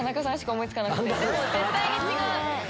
でも絶対に違う！